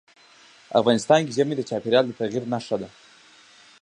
افغانستان کې ژمی د چاپېریال د تغیر نښه ده.